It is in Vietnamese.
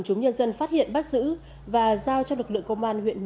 chuyển sang những thông tin khác